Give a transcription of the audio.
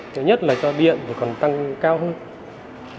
thứ nhất là do điện thì còn tăng cao hơn